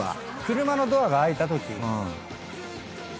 車のドアが開いたとき。